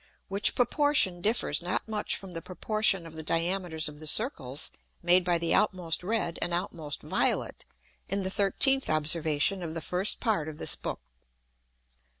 Which proportion differs not much from the proportion of the Diameters of the Circles made by the outmost red and outmost violet, in the 13th Observation of the first part of this Book.